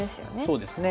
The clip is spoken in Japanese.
そうですね。